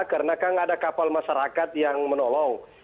karena kan ada kapal masyarakat yang menolong